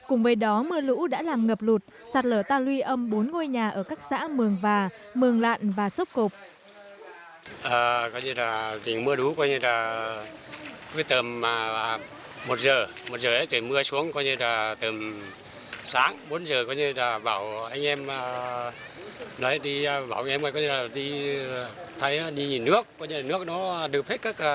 cùng với đó mưa lũ đã làm ngập lụt sạt lở ta luy âm bốn ngôi nhà ở các xã mường và mường lạn và xúc cộp